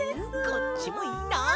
こっちもいいな！